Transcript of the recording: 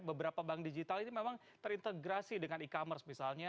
beberapa bank digital ini memang terintegrasi dengan e commerce misalnya